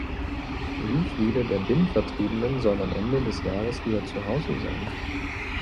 Wie viele der Binnenvertriebenen sollen am Ende des Jahres wieder zu Hause sein?